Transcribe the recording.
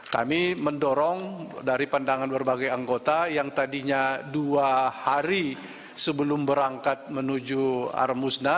kami mendorong dari pandangan berbagai anggota yang tadinya dua hari sebelum berangkat menuju armusna